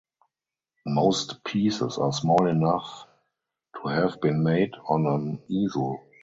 Most pieces are small enough to have been made on an easel.